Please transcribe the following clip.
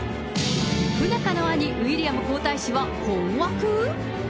不仲の兄、ウィリアム皇太子は困惑？